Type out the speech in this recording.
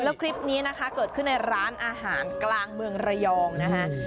แล้วคลิปนี้นะคะเกิดขึ้นในร้านอาหารกลางเมืองระยองนะคะ